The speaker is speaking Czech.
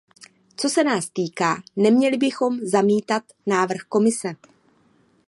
Co se nás týká, neměli bychom zamítat návrh Komise.